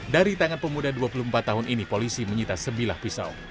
dari tangan pemuda dua puluh empat tahun ini polisi menyita sebilah pisau